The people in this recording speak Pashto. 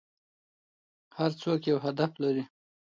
هر څوک یو هدف لري .